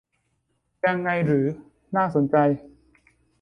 ยังไงเหรอ น่าสนใจ